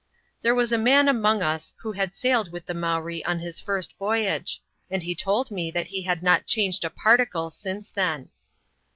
There was a man among us who had sailed with the Mowree on his first voyage, and he told me that he had not changed a particle since then.